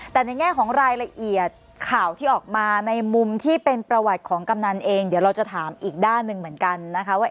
แต่ในแง่ของรายละเอียดข่าวที่ออกมาในมุมที่เป็นประวัติของกำนันเองเดี๋ยวเราจะถามอีกด้านหนึ่งเหมือนกันนะคะว่า